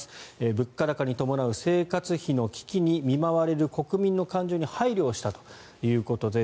物価高に伴う生活費の危機に見舞われる国民の感情に配慮したということです。